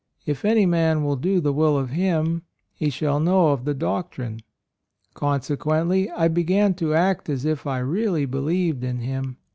If any man will do the will of Him, he shall know of AND MOTHER. 37 the doctrine.' Consequently I began to act as if I really be lieved in Him.